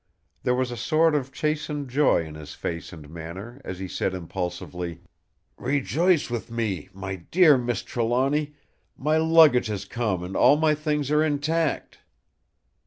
There was a sort of chastened joy in his face and manner as he said impulsively: "Rejoice with me, my dear Miss Trelawny, my luggage has come and all my things are intact!"